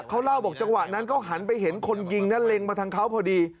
เขาเล่าบอกจังหวะนั้นเขาหันไปเห็นคนยิงนะเล็งมาทางเขาพอดี